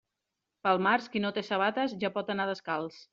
Pel març, qui no té sabates ja pot anar descalç.